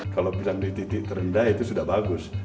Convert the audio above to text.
kalau bilang di titik terendah itu sudah bagus